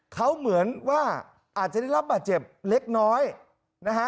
เขาเหมือนว่าอาจจะได้รับบาดเจ็บเล็กน้อยนะฮะ